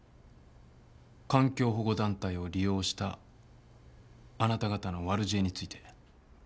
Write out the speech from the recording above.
環境保護団体を利用したあなた方の悪知恵について。